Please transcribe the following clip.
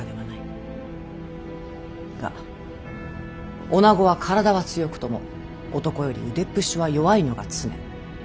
が女は体は強くとも男より腕っぷしは弱いのが常。